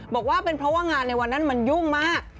บอกว่าเป็นเพราะว่างานในวันนั้นมันยุ่งมาก